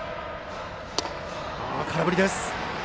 空振りです。